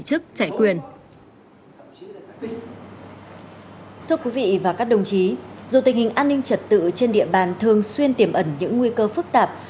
thưa quý vị và các đồng chí dù tình hình an ninh trật tự trên địa bàn thường xuyên tiềm ẩn những nguy cơ phức tạp